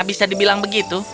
ya bisa dibilang begitu